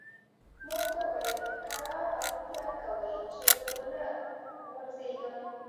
ما ورته وویل: کرار او احتیاط کوئ، چې زه و نه غورځېږم.